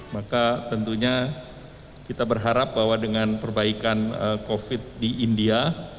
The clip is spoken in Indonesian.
maka tentunya kita berharap bahwa dengan perbaikan covid di india